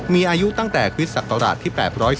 มีอายุตั้งแต่คริสต์ศักราชที่๘๔